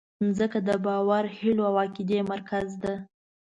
مځکه د باور، هیلو او عقیدې مرکز ده.